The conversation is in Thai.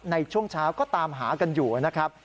ในช่วงเช้าก็ตามหากันอยู่นะครับ